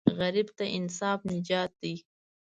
غریب ته انصاف نجات دی